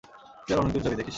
তুই আরো অনেকদূর যাবি, দেখিস!